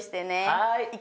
はい。